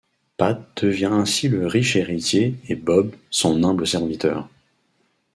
Pat devient ainsi le riche héritier et Bob son humble serviteur.